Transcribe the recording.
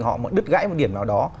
họ đứt gãy một điểm nào đó